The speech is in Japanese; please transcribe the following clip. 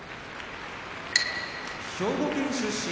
兵庫県出身